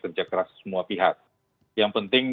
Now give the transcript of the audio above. kerja keras semua pihak yang penting